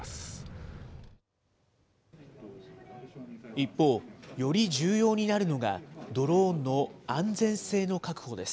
一方、より重要になるのがドローンの安全性の確保です。